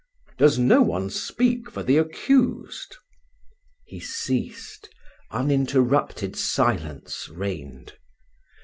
Does no one speak for the accused?" He ceased: uninterrupted silence reigned.